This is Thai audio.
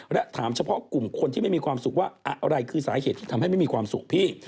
และถามเฉพาะกลุ่มคนที่ไม่มีความสุขว่าอะไรคือสาเหตุที่ทำให้ไม่มีความสุขพี่